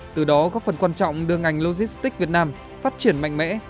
từ đó góp phần quan trọng đưa ngành logistics việt nam phát triển mạnh mẽ